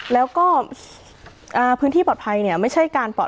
แล้วก็พื้นที่ปลอดภัยเนี่ย